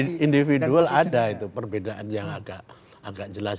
individual ada itu perbedaan yang agak jelas